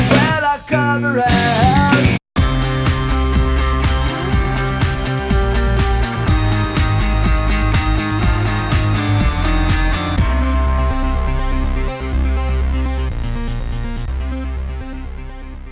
โปรดติดตามตอนต่อไป